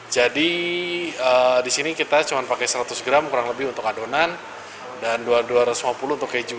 jadi di sini kita cuma pakai seratus gram kurang lebih untuk adonan dan dua ratus lima puluh untuk keju